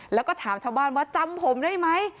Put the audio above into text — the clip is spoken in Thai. แล้วก็ถามชาวบ้านว่าจำผมได้ไหม